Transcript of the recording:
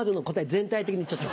全体的にちょっと。